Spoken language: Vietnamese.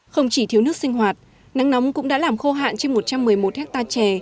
không chỉ thiếu nước sinh hoạt nắng nóng cũng đã làm khô hạn trên một trăm một mươi một hectare trẻ